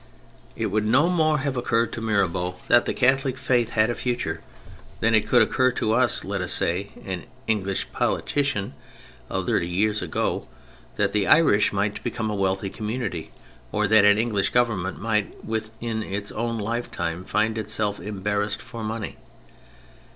It would no more have occurred to Mirabeau THE CHARACTERS 59 that the CathoHc Faith had a future than it could occur to (let us say) an English politician of thirty years ago that the Irish might become a wealthy community or that an English Government might within his own lifetime find itself embarrassed for money.